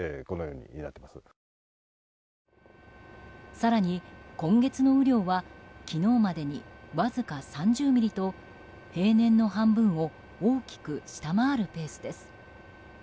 更に今月の雨量は昨日までに、わずか３０ミリと平年の半分を大きく下回るペースです。